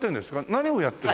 何をやってる？